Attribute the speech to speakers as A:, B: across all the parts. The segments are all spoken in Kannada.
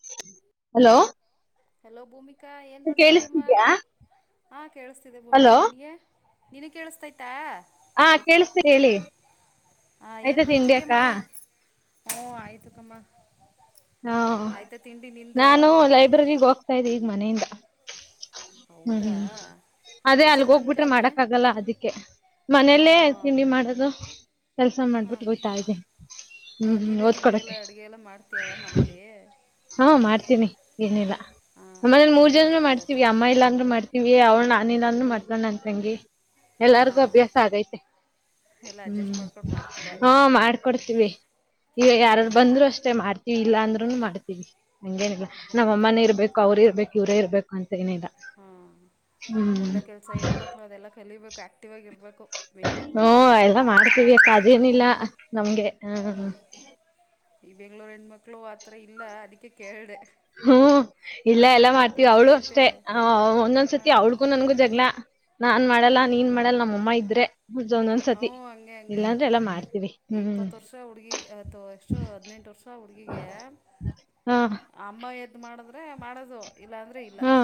A: [unintelligible] ಹಲೋ
B: ಹಲೋ ಭೂಮಿ ಕ ಏನ್ ಮಾಡ್ತಿದ್ಯಮ್ಮ
A: ಕೇಳಿಸ್ತಿದ್ಯಾ
B: [unintelligible] ಹಾ ಕೇಳಸ್ತಿದೆ ಭೂಮಿಕಾ
A: ಹಲೋ
B: ನಿನ್ಗೆ ನಿನಗ್ ಕೇಳಿಸ್ತೈತಾ
A: ಹಾ ಕೇಳಿಸಿದೆ ಹೇಳಿ
B: ಹಾ ಏನ್
A: ಆಯ್ತಾ ತಿಂಡಿ ಅಕ್ಕ
B: ಮಾಡ್ತಿದ್ಯಮ್ಮ ಓ ಆಯ್ತುಕಮ್ಮ
A: ಹ [unintelligible] ನಾನು ಲೈಬ್ರರಿಗೆ ಹೋಗ್ತಾ ಇದ್ದೀನಿ ಮನೆಯಿಂದ
B: ಹೌದಾ
A: ಹ್ಮ್ [unintelligible] ಅದೇ
B: ಎಷ್ಟೋ
A: ಅಲ್ಗ್
B: ತನಕ
A: ಹೋಗ್ಬಿಟ್ರೆ
B: ಅಲ್ಲಿ
A: ಮಾಡಕ್ ಆಗಲ್ಲ ಅದಕ್ಕೆ
B: ಓ
A: ಮನೇಲ್ಲೇ ತಿಂಡಿ ಮಾಡದು ಕೆಲ್ಸ ಮಾಡ್ಬಿಟ್ಟ
B: ಹಾಂ
A: ಹೋಗ್ತಾ ಇದೀನಿ
B: ಹಾಂ
A: [unintelligible]
B: ನೀನೇ ತಿಂಡಿ ಎಲ್ಲ
A: ಓದ್ಕೊಳೋಕೆ.
B: ಅಡುಗೆ ಎಲ್ಲ ಮಾಡ್ತೀಯಲ್ಲ ಮನೇಲಿ
A: ಹಾ ಮಾಡ್ತೀನಿ ಏನಿಲ
B: ಹಾಂ ಏನು
A: ನಮ್ಮನೆಲಿ ಮೂರ್
B: ತಿಂಡಿ
A: ಜನರು
B: ಮಾಡಿದ್ದೆ ಇವತ್ತು
A: ಮಾಡ್ತೀವಿ ಅಮ್ಮ ಇಲ್ಲಾಂದ್ರು ಮಾಡ್ತೀವಿ. ವಿ ಅವ್ನ ನೀನನ್
B: ಹ್ಞೂ
A: ಮತ್ತೆ ನನ್ ತಂಗಿ [unintelligible] ಎಲ್ಲಾರ್ಗು
B: ಹಾಂ
A: ಅಭ್ಯಾಸ ಆಗೈತೆ
B: ಎಲ್ಲ
A: [unintelligible]
B: ಅಡ್ಜಸ್ಟ್
A: ಹ್ಮ್
B: ಮಾಡ್ಕೊಂಡು ಮಾಡ್ತೀರಾ
A: ಹಾ ಮಾಡ್ಕೊಡ್ತೀವಿ ಈವ ಯಾರಾರು
B: ಹಾಂ
A: ಬಂದ್ರು ಅಷ್ಟೆ ಮಾಡ್ ಇಲ್ಲಾಂದ್ರನು ಮಾಡ ವಿ ಹಂಗೇನಿಲ ನಮ್ ಅಮ್ಮನೇ ಇರ್ಬೇಕು ಅವ್ರ ಇರ್ಬೇಕ್ ಇವರೇ ಇರ್ಬೇಕಂತ ಏನಿಲ್ಲ [unintelligible]
B: ಹಾಂ
A: ಹ್ಮ್ [unintelligible]
B: ಒಳ್ಳೆ ಕೆಲಸ ಹೆಣ್ಮಕ್ಳು ಅದೆಲ್ಲ ಕಲಿಬೇಕು ಆ್ಯಕ್ಟಿವ್ ಆಗಿರಬೇಕು ಮೇಯ್ನು
A: ಹ್ಮ ಎಲ್ಲ ಮಾಡ್ತೀವಿ ಅಕ್ಕ ಅದೇನಿಲ್ಲ ನಮ್ಗೆ ಹಾ
B: ಹ್ಮ್ ಈ ಬೆಂಗ್ಳೂರು ಹೆಣ್ಮಕ್ಳು ಆತರ ಇಲ್ಲ ಅದಕ್ಕೆ ಕೇಳ್ದೆ.
A: ಹ್ಮ್ ಇಲ್ಲ ಎಲ್ಲ ಮಾಡ್ತೀವಿ
B: ಹುಡುಗಿ
A: ಅವ್ಳು
B: ಐತೆ
A: ಅಷ್ಟೇ ಹ ಒಂದೊಂದ್ಸತಿ
B: ಹಾಂ
A: ಅವಳ್ಗೂ ನನ್ಗೂ ಜಗ್ಲಾ ನಾನ್ ಮಾಡಲ್ಲ ನೀನ್ ಮಾಡಲ್ಲ ನಮ್ಮಮ್ಮ ಇ ದ್ರೆ
B: ಔ ಹಂಗೆ ಹಂಗೆ,
A: ಮಾಡ್ತೀವಿ ಹ್ಮ್
B: ಇಪ್ಪತ್ ವರ್ಷ ಆ ಹುಡ್ಗಿಗೆ ಅ ತೂ ಎಷ್ಟು ಹದ್ನೆಂಟ್ ವರ್ಷ ಆ ಹುಡ್ಗಿಗೇ
A: ಹಾ
B: ಅಮ್ಮ ಎದ್ ಮಾಡದ್ರೆ ಮಾಡದು
A: ಹಾ,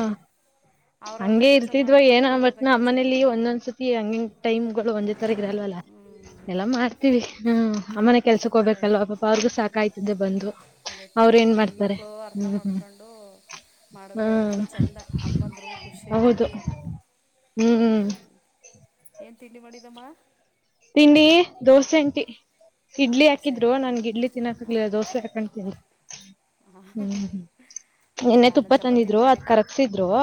B: ಅವ್ರವ್ರ್ದೇ
A: ಹಂಗೆ
B: ಕೆಲಸ
A: ಇರ್ತಿದ್ವೋ
B: ಮಾಡಬೇಕು
A: ಏನೋ ಮತ್
B: ಇವ್ರವ್ರ್ದೇ
A: ನಮ್
B: ಕೆಲಸ
A: ಮನೇಲಿ
B: ಮಾಡಬೇಕು
A: ಒಂದೊಂದ್ಸತಿ ಹಂಗಿಂಗ್ ಟೈಮ್ ಗಳು ಒಂದೆ ತರ ಇರಲ್ವಲ್ಲಾ,
B: ಹ್ಮ್
A: ಎಲ್ಲಾ ಮಾಡ್ತೀವಿ ಹು ಆ ಕೆಲ್ಸಕ್
B: ಅದೇ
A: ಹೋಗ್ಬೇಕಲ್ವಾ ಪಾಪ ಅವ್ರ್ಗೂ ಸಾಕಾಯ್ತದೆ ಬಂದು
B: ಅದೇ
A: ಅವ್ರ
B: ತಾನೇ
A: ಏನ್ ಮಾಡ್ತಾರೆ,
B: ಹೆಣ್ಮಕ್ಳು ಅರ್ಥ
A: ಹ್ಮ.
B: ಮಾಡ್ಕೊಂಡು ಮಾಡಿದ್ರೆ ಒಂಥರ
A: ಹ್ಞಾಂ
B: ಚೆಂದ ಅಮ್ಮಂದ್ರಿಗೂ ಖುಷಿ
A: ಹೌದು
B: ಆಯ್ತದೆ ತಾನೇ
A: ಹುಂ.
B: ಏನು ತಿಂಡಿ ಮಾಡಿದಮ್ಮ
A: ತಿಂಡಿ ದೋಸೆಂಟಿ ಇಡ್ಲಿ
B: ದೋಸೆ
A: ಹಾಕಿದ್ರು ನನ್ಗೆ ಇಡ್ಲಿ ತಿನ್ನಾಕ್ಗ್ಲಿಲ್ಲ ದೋಸೆ ಹಾಕೊಂಡತನಿ
B: ಹ
A: ನಿನ್ನೆ
B: ನಾನು
A: ತುಪ್ಪ
B: ಚಪಾತಿ
A: ತಂದಿದ್ರು ಅದ್
B: ಮಾಡಿದ್ದೆ
A: ಕರಗ್ಸಿದ್ರು
B: ಹ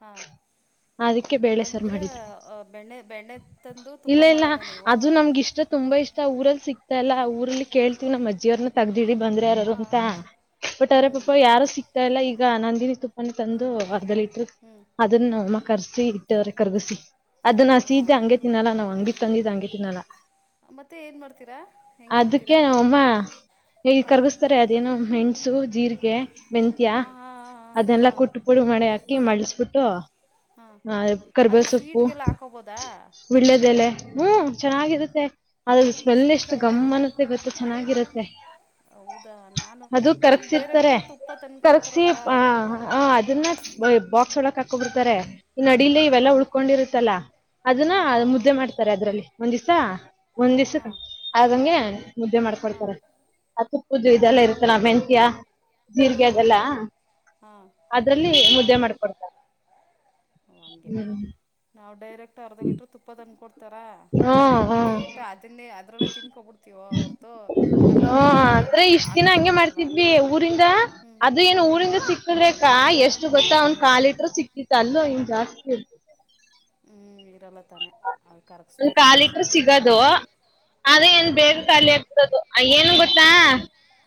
B: ಹ
A: ಅದಕ್ಕೆ ಬೇಳೆ ಸಾರು
B: ಅಂದ್ರೆ
A: ಮಾಡಿದ್ರು
B: ಬೆಣ್ಣೆ ಬೆಣ್ಣೆ ತಂದು ತುಪ್ಪ
A: ಇಲ್ಲ ಇಲ್ಲ
B: ಮಾಡ
A: ಅದು ನಮ್ಗ ಇಷ್ಟ ತುಂಬಾ ಇಷ್ಟ ಊರಲ್ಲಿ ಸಿಕ್ತಲ್ಲ ಊರಲ್ಲಿ ಕೇಳ್ತಿವ ನಮ್ಮಜ್ಜಿ ಅವ್ರನ ತಗ್ದ ಇರಿ ಬಂದ್ರೆ ಯಾರರು
B: ಹಾಂ
A: ಅಂತ
B: ಹಾಂ
A: ಬಟ್
B: ಹ್ಞೂ
A: ಅರೆ ಪಾಪ ಯಾರು ಸಿಕ್ತಾ ಇಲ್ಲ ಈಗ ಗಾನ್ ನಂದಿನಿ ತುಪ್
B: ಹ್ಞೂ
A: ತಂದು ಅರ್ಧ ಲೀಟ್ರ
B: ಹ್ಞೂ
A: ಅದನ್ನ ಮ ಕರ್ಸಿ ಇಟ್ಟವ್ರ ಕರ್ಗಸಿ ಅದನ್ನಾ
B: ಹಾಂ
A: ಸೀಾ ಹಂಗೆ ತಿನ್ನಲ್ಲ ನಾ್ ಅಂಗಡಿ ತಂದಿದ್ದಂಗೇತಿ ನಾನ
B: ಮತ್ತು ಏನು ಮಾಡ್ತೀರಾ ಹೆಂಗೆ
A: ಅದಕ್ಕೆ
B: ಮಾಡ್ತೀರಾ
A: ಅಮ್ಮ ಹೇಗ
B: ಹಾಂ
A: ಕರ್ಗಿಸ್ತಾರೆ ಅದೇನೋ ಹೆಂ. ಹಸು ಜೀರಿಗೆ ಬೆಂತಿಯಾ
B: ಹಾಂ ಹಾಂ
A: ಅದೆಲ್ಲಾ
B: ಹಾಂ ಹಾಂ
A: ಕುಟ್ಟ ಪಡು ಮಳೆ ಹಾಕಿ ಮಳಸ. ಪುಟ್ಟ
B: ಹಾಂ
A: ಹಾ
B: ಅದು
A: ಕರಿಬೇಲ್ ಸೊಪ್ಪು
B: ಸ್ವೀಟ್ಗೆಲ್ಲ ಹಾಕೋಬೋದಾ
A: ಉಳ್ಳೆದೆ ಎಲೆ ಹ್ಮ್ ಚೆನ್ನಾಗಿರುತ್ತೆ ಅದದು ಸ್ಮೆಲ್
B: ಸ್ವೀಟ್ಗೆ
A: ಎಷ್ಟು
B: ಹಾಕಿದ್ರೂ
A: ಗಮ್ಮನತೆ ಗೊತ್ತೆ ಚೆನ್ನಾಗಿರತ್ತೆ
B: ಹೌದಾ ನಾನು
A: ಅದು
B: ನಾನು
A: ಕರ್ಕ್ಸಿರ್ತಾರೆ
B: ಡೈರೆಕ್ಟು ತುಪ್ಪ ತಂದು
A: ಕರ್ಕ್ಸಿ
B: ಕೊಡ್ತಾರಲ್ವಾ
A: ಆ
B: ಹಾಂ
A: ಅದನ್ನ ಬಾಕ್ಸ್ ಒಳಕ್ ಹ ಹೊಬಿಡ್ತಾರೆ ಇ ನಡಿಲ್ಲ
B: ಹ್ಞೂ
A: ಇವೆಲ್ಲಾ ಉಳ್ಕೊಂಡಿರುರತ್ತಲ್ಲಾ
B: ಹಾಂ
A: ಅದನ್ನ
B: ಹಾಂ ಹಾಂ
A: ಮುದ್ದೆ ಮಾಡ್ತ. ಅದ್ರಲ್ಲಿ ಒಂದ್ ದಿವ್ಸ ಒಂದ್ ದಿವ್ಸ
B: ಹಾಂ
A: ಆಂಗೆ ಮುದ್ದೆ
B: ಹಾಂ
A: ಮಾಡ್ಕೊಡ್ತಾರ ಆ ತುಪ್ಪುದುು ಇದೆಲ್ಲ ಇರುತ್ತಲ್ಲ ಮೆಂತ್ಯ
B: ಹಾ
A: ಜೀರಿಗೆ ಅದೆಲ್ಲ
B: ಹ ಹಾ
A: ಅದ್ರಲ್ಲಿ
B: ಅದೆಲ್ಲ
A: ಮುದ್ದೆ
B: ಹಾಕಿ
A: ಮಾಡ್ಕೊಡ್ತಾರೆ
B: ಹಂಗೆ ನಾವು ಡೈರೆಕ್ಟ್ ಅರ್ಧ ಲೀಟ್ರ ತುಪ್ಪ ತಂದು್ ಕೊಡ್ತವಿ ರ ಅದ
A: ಹ್ಮ್
B: ಹಂಗೆ
A: ಹ್ಮ್
B: ಇಟ್ಟ ಅದನ್ನೇ. ಅದ್ರಲ್ಲೇ ತಿಿಂದಕೊಬಿಡ್ತೀವೋ ಹೊರ್ತು ನಮ್ಗ ಅದು
A: ಹಾ
B: ಒಗ್ಗ್ರರಣೆಲ್ಲಾ ಹಾಕಕ್ ಬರಲ್ಲ
A: ಅದ್ರ ಏನ್ ಊರಿಂದ ಸಿಕ್ಕದ್ರಾ ಎಷ್ಟ ಗೊತ್ತ ಒಂದು
B: ಹ್ಞೂ
A: ಕಾಲಿಟ್ಟರು ಸಿಕ್ತಿತ್ತು ಅಲ್ಲು ಹ ಜಾಸ್ತಿ ಹ್ಮ.
B: ವಿರಮತ್ [inaudible]
A: ಒಂದ್ ಕಾಲು ಲಿಟ್ರ
B: ಕಮ್ಮಿ
A: ಸಿಗೋದು ಆದ್ರ
B: ಹಾಂ
A: ಏನ್ ಬೇಗ ಖಾಲಿ ಆಗ್ತದು ಏನ್ ಗೊತ್ತಾ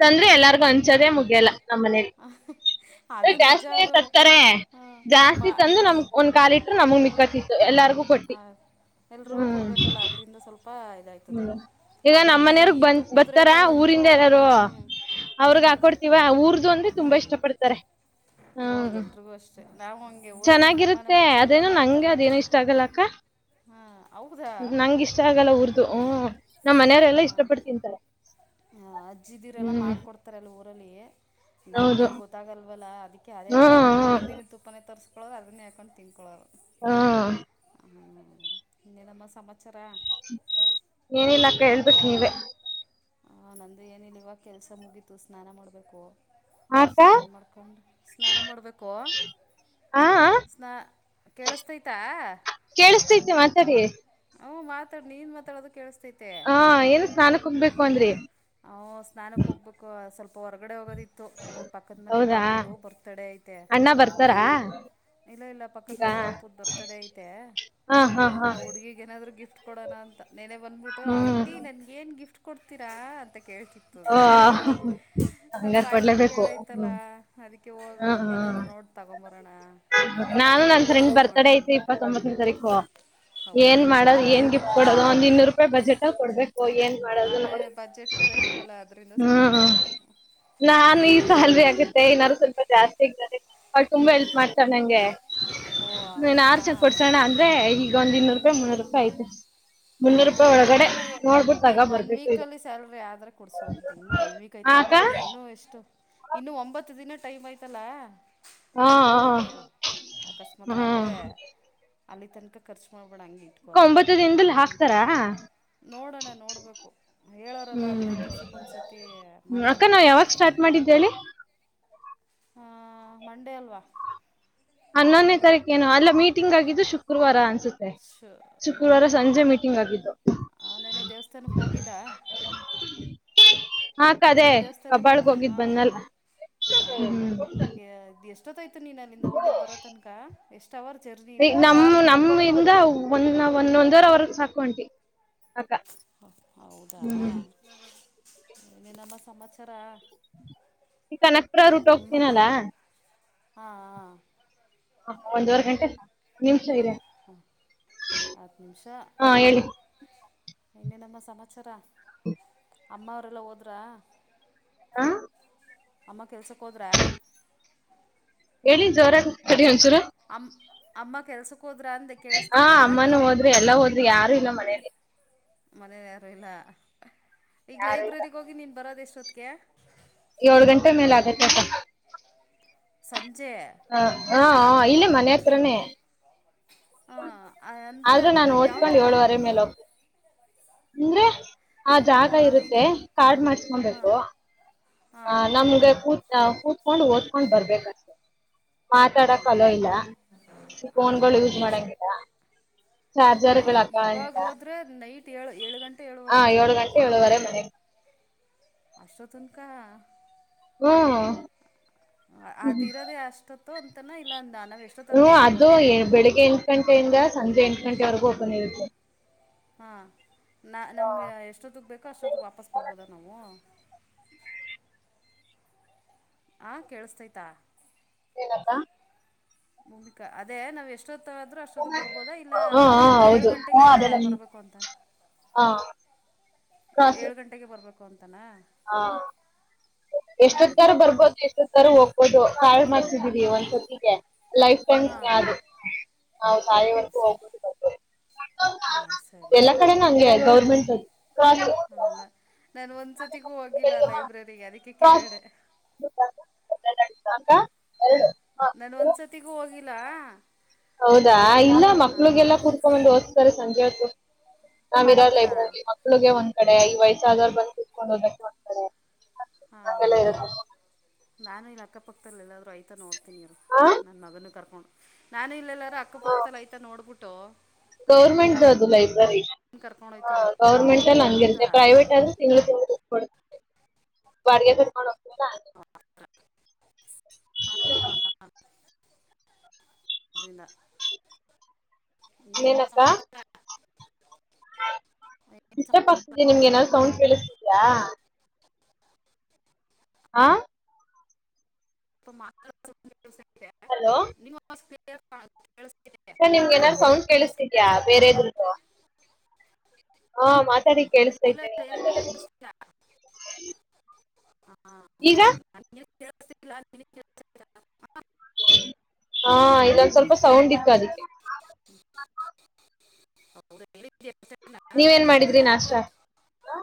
A: ತಂದ್ರೆ
B: ಹಾಂ
A: ಎಲ್ಲಾರ್ಗು ಅಂಚೋದೆೇ ಮುಗಿಯಲ್ಲ ನಮ್ಮನಲಿ
B: ಅದು ನಿಜ
A: ಜಾಸ್ತಿ
B: ಅದು
A: ಕರ್ತಾರೆ
B: ಹಾಂ
A: ಜಾಸ್ತಿ
B: ಬಾ
A: ತಂದ್ರ
B: ಎಷ್ಟು
A: ನಮ ಒಂದ್ ಕಾಲು ಲೀಟ್ರ ನಮಗ್ ಮಿ ತ್ತು ಎಲ್ಲೂ. ಕೊಟ್ಟಿ.
B: ಎಲ್ರಗೂ
A: ಹ್ಮ್
B: ಕೊಡ್ಬೇಕಲ್ಲ ಅದ್ರಿಂದ ಸ್ವಲ್ಪ್
A: ಹ್ಮ್, ಈಗ ನಮ್ಮನೆಯವರ್ಗ್
B: ಈ
A: ಬಂದ್
B: ತುಪ್ಪದ
A: ಬತ್ತರಾ
B: ರೇಟಲ್ಲಂತೂ
A: ಊರಿಂದ ಎಲ್ಲಾರೂ
B: ಹ್ಞೂ ಹ್ಞೂ
A: ಅವ್ರ್ಗ್ ಹಾಕೊಡ್ತಿವ ಊರ್ದು ಅಂದ್ರೆ ತುಂಬಾ ಇಷ್ಟ ಪಡ್ತಾರೆ. ಹಾ.
B: ಹೋ ಎಲ್ರಗೂ ಅಷ್ಟೆ, ನಾವು ಹಂಗೆ ಊರಲ್ ನಮ್ ಅಮ್ಮ ನಮ್
A: ಚೆನ್ನಾಗಿರುತ್ತೆ.
B: ಅಜ್ಜಿ ಎಲ್ಲ
A: ಅದೇನೋ ನಂಗೆ
B: ಮಾಡ್ತಾರೆ
A: ಅದೇನೋ ಇಷ್ಟ ಆಗಲ್ಲ ಅಕ್ಕ.
B: ಹಾ ಹೌದಾ?
A: ಹ್ಮು, ನಮ್ ಮನೆವ್ರೆಲ್ಲಾ ಇಷ್ಟಪಟ್ ತಿಂತಾರೆ.
B: ಆ ಅಜ್ಜಿದೀರೆಲ್ಲಾ
A: ಹ್ಮ್.
B: ಮಾಡ್ಕೊಡ್ತಾರೆ ಅಲ್ ಊರಲ್ಲಿ
A: ಹೌದು.
B: ನಮ್ಗಿಲ್ ಗೊತ್ತಾಗಲ್ವಲ್ಲ ಅದಕ್ಕೆ ಅದೇ
A: ಹಾ, ಹಾ.
B: ನಂದಿನಿ ತುಪ್ಪಾನೇ ತರ್ಸ್ ಕೊಳೋದು ಅದನ್ನೇ ಹಾಕೊಂಡು ತಿನ್ಕೊಳ್ಳೋರು
A: ಹ್ಮ್
B: ಹ ಇನ್ನೇನಮ್ಮ ಸಮಾಚಾರ
A: ಏನಿಲ್ಲಕ್ಕ ಕೇಳ್ಬೇಕ್ ನೀವೆ
B: ಹ ನಂದು ಏನಿಲ್ಲ ಇವಗ್ ಕೆಲ್ಸ ಮುಗೀತು ಸ್ನಾನ ಮಾಡ್ಬೇಕು.
A: ಆ ಅಕ್ಕ?
B: ಸ್ನಾನ ಮಾಡ್ಕೊಂಡು ಸ್ನಾನ ಮಾಡ್ಬೇಕು
A: ಆ ಆ
B: ಸ್ನ ಕೇಳಿಸತೈತಾ
A: ಕೇಳಿಸ್ತೈತೆ ಮಾತಾಡಿ.
B: ಹ್ ಮಾತಾಡ್ ನೀನ್ ಮಾತಾಡದು ಕೇಳಿಸ್
A: ಹಾ ಏನ್ ಸ್ನಾನ ಕೊಗ್ಬೇಕ್
B: ಹೂ ಸ್ನಾನಕ್ ಹೋಗ್ಬೇಕು. ಸ್ವಲ್ಪ ಹೊರಗಡೆ ಹೋಗೋದಿ ತ್ತು ಇವ ಪಕ್ಕದ ಮನೆ
A: ಹೌದಾ?
B: ಪಾಪದು ಬರ್ತ್ಡೇ ಐತೆ
A: ಅಣ್ಣ ಬರ್ತಾರಾ
B: ಇಲ್ಲ ಇಲ್ಲ ಪಕ್ಕದ್
A: ಈಗ?
B: ಮನೆ ಪಾಪುದ್ ಬರ್ತ್ಡೇ ಐತೆ
A: ಹಾ ಹಾ ಹಾ.
B: ಆ ಹುಡುಗಿಗ್ ಏನಾದ್ರು ಗಿಫ್ಟ್ ಕೊಡೋಣ ಅಂತ. ನೆನೆ ಬಂದ್ಬಿಟ್ಟು
A: ಹ್ಮ್.
B: ಆಂಟಿ ನನ್ಗೇನ್ ಗಿಫ್ಟ್ ಕೊಡ್ತೀರಾ ಅಂತೆ ಕೇಳ್ತಿತ್ತು ಅದು
A: ಆ
B: ಹ್ಮ್ ಹ್ಮ್ ಅದ್
A: ಹಂಗಾರ್
B: ಬಾಯ್ಬಿಟ್
A: ಕೊಡ್ಲೇಬೇಕು.
B: ಕೇಳೈತಲ್ಲ
A: ಹ್ಮ್.
B: ಅದಕ್ಕೆ ಹೋಗ
A: ಹಾ
B: ಒಂದೇನಾರ
A: ಹಾ.
B: ನೋಡ್ ತಗೊಂಬ
A: ನಾನು ನನ್ ಫ್ರೆಂಡ್ ಬರ್ತ್ ಡೇ
B: ಅಂದ್ಕೊಂಡಿದ್ದೀನಿ
A: ಐತಿ ಇಪ್ಪತ್ತೊಂಬತ್ತನೆ ತಾರೀಕು
B: ಹೌದಾ
A: ಏನ್
B: ಇನ್ನೊಂದು
A: ಮಾಡೋದು
B: ವಾರ
A: ಏನ್ ಗಿಫ್ಟ್ ಕೊಡೋದು ಒಂದ್ ಇನ್ನೂರು ರೂಪಾಯಿ ಬಜೆಟಲ್ಲಿ ಕೊಡ್ಬೇ ಕು ಏನ್ ಮಾಡದು
B: ಅದೇ
A: ನೋಡ್ಬೇ
B: ಬಜೆಟ್ ಬೇರೆ ಇಲ್ವಲ್ಲ ಅದರಿಂದ ಸ್ವಲ್ಪ
A: ಹ್ಮ
B: ಪ್ರಾಬ್ಲಮ್ಮು
A: ನಾನ್ ಈ ಸಲ್ರಿ ಆಗುತ್ತೆ ಏನಾದ್ರು ಸ್ವಲ್ಪ ಜಾಸ್ತಿ [unintelligible] ಅವ್ಳ್ ತುಂಬಾ ಹೆಲ್ಪ್ ಮಾಡ್ ತಾಳ್ ನಂಗೆ
B: ಓ
A: ನೀನ್
B: ಹಾಂ
A: ಆರುಚ್
B: ಹಾಂ
A: ಕೊಡ್ಸೋಣ ಅಂದ್ರೆ ಈಗ ಒಂದು ಇನ್ನೂರು ರೂಪಾಯಿ ಮುನ್ನೂರು ರೂಪಾಯಿ ಐತೆ. ಮುನ್ನೂರು ರೂಪಾಯಿ
B: ಇನ್
A: ಒಳಗಡೆ
B: ನೋಡಣ
A: ನೋಡ್ಬಿಟ್ಟು
B: ಇನ್
A: ತಗೋ
B: ಒನ್
A: ಬರ್ಬೇಕು ಇದು
B: ವೀಕಲ್ಲಿ ಸ್ಯಾಲ್ರಿ ಆದ್ರೆ ಕೊಡ್ಸಂತ ಇನ್ನು ಒನ್ ವೀಕ್
A: ಆ
B: ಐತಲ್ಲ
A: ಅಕ್ಕ
B: ಟೈಮ್ ಇನ್ನು ಎಷ್ಟು ಇನ್ನು ಒಂಬತ್ತು ದಿನ ಟೈಮ್ ಐಯ್ತಲ್ಲ
A: ಹಾ ಹಾ
B: ಅಕಸ್ಮಾತ್ ಆದರೆ
A: ಹ್ಮ್
B: ಅಲ್ಲಿ ತನಕ ಖರ್ಚ್ ಮಾಡ್
A: ಅಕ್ಕ ಒಂಬತ್ತು ದಿನದಲ್ಲಿ ಹಾಕ್ತಾರಾ
B: ನೋಡೋಣ ನೋಡ್ಬೇಕು ಹೇಳೋ್ರಲ್ಲ
A: ಹ್ಮ್
B: ಹದ್ನೈದ
A: ಹ್ಮ್.
B: ದಿವ್ಸಕ್ ಒಂದ್ಸತಿ
A: ಅಕ್ಕ
B: ಮಾಡ್ತೀವಿ
A: ನಾವ್
B: ಅಂತ
A: ಯಾವಾಗ ಸ್ಟಾರ್ಟ್ ಮಾಡಿದ್ದು ಹೇಳಿ
B: ಹಾ ಮಂಡೇ ಅಲ್ವಾ.
A: ಹನ್ನೊಂದನೇ ತಾರೀಕೇನು ಅಲ್ಲ ಮೀಟಿಂಗ್ ಆಗಿದ್ದು ಶುಕ್ರವಾರ ಅ
B: ಶ ಹಾ
A: ಮೀಟಿಂಗ್ ಆಗಿದ್ದು
B: ಆ ನನೆ ದೇವಸ್ಥಾನಕ್ಕೆ ಹೋಗಿದ್ದ
A: ಹಾಕ್ದೇ ಕಬಾಳಗ್ ಹೋಗಿದ್ ಬಂದಲ್ಲ ಹ್ಮ.
B: ಎಷ್ಟೊತ್ತೈ ನೀನ್ ಅಲ್ಲಿಂದ ಹೋಗಿದ್ ಬರೋ ತನಕ ಎಷ್ಟು. ಅವರ್ ಜರ್ನಿ
A: ಈ
B: ಇಲ್ಲಿಂದ ಅಲ್ಲಿ
A: ನಮ್ಮ
B: ತನಕ
A: ನಮ್ಮಿಂದ ಒಂದ ಒಂದೊಂದುವರವರೆ ಸಾಕ. ತೊಂಟಿ [unintelligible]
B: ಹೌದಾ ನಮ್ಮತ್ತ [inaudible] ಸಮಾಚರ
A: ಈ ಕನಕ್ಪುರ ರೂಟ್ ಹೋಗ್ತೀನಲ್ಲ
B: ಹಾ ಹಾ
A: ಹ ಒಂದುವರೆ ಗಂಟೆ ನಿಮ್
B: ಹ ಹಾತ್ ನಿಮಿಷ ಹಾ ಇನ್ನೇ ನಮ್ಮ ಸಮಾಚಾರ ಅಮ್ಮವರೆಲ್ಲ ಹೋದ್ರ
A: ಹಾ
B: ಅಮ್ಮ ಕೆಲ್ಸಕ್ ಹೋದ್ರ
A: ಹೇಳಿ ಜೋರತರಿ ಒಂದ್ಸೂರು
B: ಅ ಅಮ್ಮ ಕೆಲ್ಸ
A: ಹಾ ಅಮ್ಮನ ಹೋದ್ರಿ ಎಲ್ಲಾ ಹೋದ್ರಿ ಯಾರು ಇಲ್ಲ ಮನೇಲಿ
B: ಮಳಾರೂ ಇಲ್ಲ ಈಗ
A: ಯಾರು ಇಲ್ಲ
B: ಲೈಬ್ರರಿಗ್ ಹೋಗಿ ನೀನ್ ಬರೋದ ಎಷ್ಟು ಸೊತಗೆ
A: ಏಳ್ ಗಂಟೆ ಮೇಲೆ ಆಗತ್ ಸ
B: ಸಂನ್ನ ಜೆ [unintelligible]
A: ಹಾ ಇಲ್ಲಿ ಮನೆ ಹತ್ರನೇ
B: ಹಾ ಅಂದ್ರೆ
A: ಆದ್ರೂ
B: ಅದು
A: ನಾನು ಓದ್ಕೊಂಡ್
B: ಯಾವ್ತರ
A: ಏಳುವರೆ ಮೇಲೆ ಹೋಗ್ತೇನೆ ಅಂದ್ರೆ ಆ ಜಾಗ
B: ಈಗ
A: ಇರುತ್ತೆ ಕಾರ್ಡ್
B: ಹಾಂ
A: ಮಾಡಸ್ಕೊಬೇಕು
B: ಹಾಂ
A: ಆ ನಮ್ಗೆ ಕೂತ್ ಕೂ ಕಕೊಂಡು ಓದ್ಕೊಂಡ್ ಬರ್ಬೇಕಷ್ಟ ಮಾತಾಡಕ್ ಅಲೋ ಇಲ್ಲ ಫೋನ್ ಗಳು ಯೂಸ್ ಮಾಡಕ ಹ [inaudible]
B: ಆ ಈ ಇವಾಗ ಹೋದ್ರೆ ನೈಟ್ ಏಳ ಏಳು ಗಂಟೆ ಏಳುವರೆ
A: ಆ
B: ಆಯ್ತದ
A: ಏಳು ಗಂಟೆ
B: ಬರೋದು
A: ಏಳುವರೆ ಮನೆಗೆ
B: ಅಷ್ಟವತ್ನಕ
A: ಹ್ಮ
B: ಅದಿರೋದೆೇ ಅಷ್ಟೊ ಅಂತನ ಇಲ್ಲ ಅ ನಾನ
A: ಹ್ಮ ಅದು ಬೆಳಗ್ಗೆ ಎಂಟು ಗಂಟೆಯಿಂದ ಸಂಜೆ ಎಂಟು ಂಟೆವರೆಗೂ ಓಪನ್ ಇರುತ್ತೆ
B: ಹಾ ನಾ ನಮಗೆ ಎಷ್ಟೊತ್ತಿಗೆ ಬೇಕೋ ಅಷ್ಟೊತ್ತಿಗೆ ವಾಪಸ್ ಬರ್ಬೋದಾ ನಾವು ಆ ಕೇಳಸ್ತೈತಾ
A: ಏನಂತ
B: ಮೂಮಿಕಾ ಅದೇ ನಾವ್ ಎಷ್ಟೊತ್ತು ್ರ ಅಷ್ಟೊ ಬರ್ಬೋದಾ ಇಲ್ಲ
A: ಹಾ ಹಾ
B: ಏಳು
A: ಹೌದು ಹಾ
B: ಗಂಟೆಗೆ ಇಲ್ಲ
A: ಅದೆಲ್ಲ
B: ಬರಬೇಕು ಅಂತ
A: ಹಾ ಕ್ರಾಸ್
B: ಏಳು ಗಂಟೆಗೆ ಬರ್ಬೇಕು
A: ಹಾ ಎಷ್ಟೊತ್ ತರ ಬರ್ಬೋದು ಎಷ್ಟೊತ್ ತರ ಹೋಗ್ ಹೌದು ಆ
B: ಹಾಂ
A: ಒಂದ್ ಸತಿಿಗೆ ಲೈಫ್ ಲ್
B: ಹಾಂ
A: ನಾ
B: ಹಾಂ
A: ತಾಯವರೆಗೂ ಹೋಗಬ
B: ಹಾಂ ಸರಿ
A: ಎಲ್ಲಾ
B: ಸರಿ
A: ಕಡೆ ಹಂಗೆ ಗೌರ್ಮೆಂಟ್
B: ಹೌದಾ ನಾನು ಒಂದ್ಸತಿಗೂ ಹೋಗಿಲ್ಲ ಲೈಬ್ರರಿಗೆ ಅದಕ್ಕೆ
A: ಕ್ರಾಸ್
B: ಕೇಳೆ
A: [unintelligible]
B: ನಾನ ಒಂದ್ಸತಿಗೂ ಹೋಗಿಿಲ್ಲ ಲ್ಲ
A: ಹೌದಾ ಇಲ್ಲ ಮಕ್ಳಿಗೆಲ್ಲ ಕುೂರ್ಕೊಂಬಂದ್ ಹಸ್ತರಿಸ ಸಂಜೆತ್ತು ನಾ್ಿರ
B: ಹೌದಾ
A: ಲೈಬ್ರರಿ ಮಕ್ಕಳಿಗೆ ಒಂದ ಈ ಕಡೆ ಈ ವಯಸ್ಸಾದಾರ ಬಂದು ಕತ್ಕೊಂಡು ಹದ್ಬೇಕು ಒಂದ ಕಡೆ
B: ಹಾಂ
A: ಎಳ [unintelligible]
B: ನಾನು ಇಲ್ಲಿ ಅಕ್ಕ ಪಕ್ಕದಲ್ಲಿ ಎಲ್ಲಾದ್ರು ಆಯತಾ ನೋಡ್ರಿ ಹತನಿರು
A: ಆ
B: ನನ್ನ ಮಗನು ಕರ್ಕೊಂಡು ನಾನು ಇಲ್ಲಲ್ಲ
A: ಹಾ
B: ನನ್ನ
A: ಗೌರ್ಮೆಂಟ್್ದ ಅದು
B: ಮಗನ
A: ಲೈಬ್ರರಿ
B: ಕರ್ಕೊಂಡು
A: ಹ
B: ಹೋಗ್ತೀನಿ
A: ಗೌರ್ಮೆಂಟ್ ಅಲ್ಲಿ
B: ಹೌದಾ
A: ನಂಗಗೆರುತ್ತ ಪ್ರೈವಟ್ ಆದ್ರೂ ತಿಂಗಳ ತಿ ಬಿಯ ಪ್ರಮಾಣ [unintelligible] ಹ್ಮ [unintelligible]
B: ಲ್ಲ
A: ನನಕ್ಕ
B: ಸಮಾಚಾರ? ಏನ್
A: ಇ್ಟರ್ಪ್
B: ಸಮಾಚಾರ
A: ಆಗ್ತದೆ
B: ಅಂದೆ?
A: ನಿಮ್ಗೆ ಏನಾದ್ು ಸೌಂಡ್ ಕೇಳಿಸ ಯಾ ಆ
B: ಮಕ್ಕಳ್ [unintelligible] [inaudible] [inaudible]
A: ಸ ನಿಮ್ಗೆ ಏನಾರ್ ಸೌಂಡ್ ಕೇಳಿಸತಿದ್ಯಾ
B: ಕೇಳಿಸ್ತೈತಾ
A: ಬೇರೆದ್ರುದ್ದು. ಹಾ ಮಾತಾಡಿ
B: ಇಲ್ಲ
A: ಕೆಳಿಸ್ತೈತೆ
B: ಇಲ್ಲ
A: ನೀವ್
B: ಏನು
A: ಮಾತಾಡುದುನು.
B: ಕೇಳಿಸ್ತಿಲ್ಲ
A: ಈಗ.
B: [unintelligible] [unintelligible]
A: ಹಾ ಇಲ್ಲೊಂದ್ ಸ್ವಲ್ಪ ಸೌಂಡ್ ಇತ್ತು ಅದಕ್ಕೆ
B: [unintelligible]
A: ನೀವೇನ್ ಮಾಡಿದ್ರಿ ನಾಷ್ಟ? ಹಾ